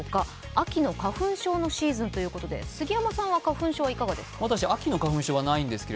秋の花粉症のシーズンということで杉山さんは花粉症はいかがですか？